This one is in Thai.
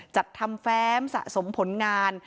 จัดทำแฟ้มสะสมผลงาน